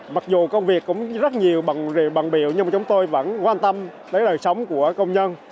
mặc dù công việc cũng rất nhiều bằng biểu nhưng mà chúng tôi vẫn quan tâm đến đời sống của công nhân